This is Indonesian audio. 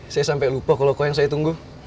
saya sampai lupa kalau kok yang saya tunggu